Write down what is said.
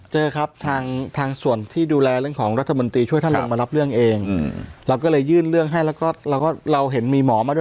เจอครับทางส่วนที่ดูแลเรื่องของรัฐมนตรีช่วยท่านลงมารับเรื่องเองเราก็เลยยื่นเรื่องให้แล้วก็เราก็เราเห็นมีหมอมาด้วย